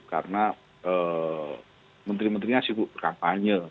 karena menteri menterinya sibuk berkampanye